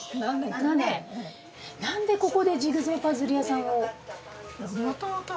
なんでここでジグソーパズル屋さんを。